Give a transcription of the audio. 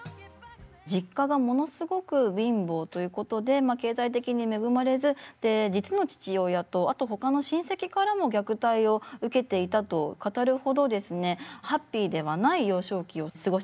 実家がものすごく貧乏ということでまあ経済的に恵まれずで実の父親とあとほかの親戚からも虐待を受けていたと語るほどですねハッピーではない幼少期を過ごしていたそうです。